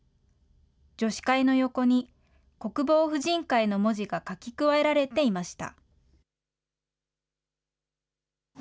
女子会の横に、国防婦人会の文字が書き加えられていました。